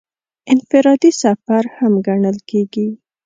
انفرادي سفر هم ګڼل کېږي.